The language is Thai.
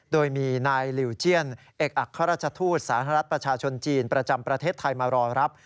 โดยมีนายลิวเจียนเอกอัครราชทูตสหรัฐประชาชนจีนประจำประเทศไทยมารอรับ